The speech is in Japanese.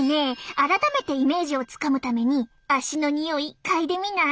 改めてイメージをつかむために足のにおい嗅いでみない？